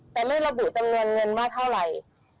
แต่ไม่ระบุจำนวนเงินว่าเท่าไหร่